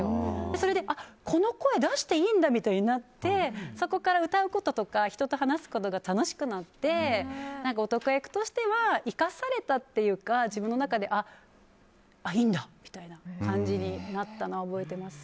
それで、この声を出してもいいんだってなってそこから歌うこととか人と話すことが楽しくなって、男役としては生かされたというか自分の中であ、いいんだみたいな感じになったのは覚えてます。